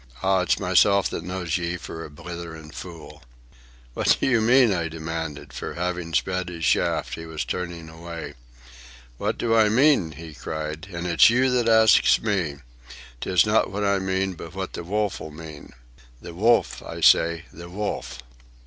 Ah, it's myself that knows ye for a blitherin' fool." "What do you mean?" I demanded; for, having sped his shaft, he was turning away. "What do I mean?" he cried. "And it's you that asks me! 'Tis not what I mean, but what the Wolf 'll mean. The Wolf, I said, the Wolf!"